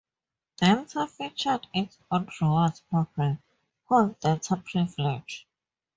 Delta featured its own rewards program, called Delta Privilege.